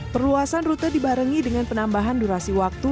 perluasan rute dibarengi dengan penambahan durasi waktu